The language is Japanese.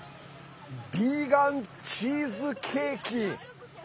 ビーガンチーズケーキ。